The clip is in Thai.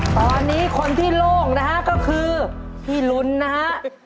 ตอนนี้คนที่โล่งนะฮะก็คือพี่ลุ้นนะฮะ